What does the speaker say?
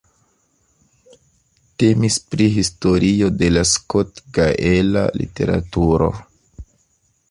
Temis pri historio de la skotgaela literaturo.